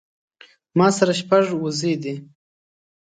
ما سره شپږ وزې دي